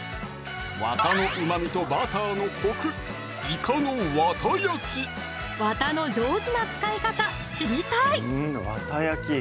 わたのうまみとバターのコクわたの上手な使い方知りたい！